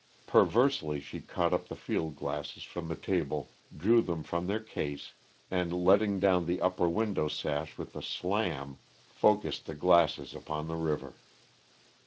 Perversely, she caught up the field glasses from the table, drew them from their case, and, letting down the upper window sash with a slam, focused the glasses upon the river.